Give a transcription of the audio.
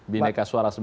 bineka suara sembilan